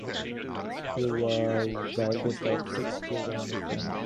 He was the eldest of six children in the family.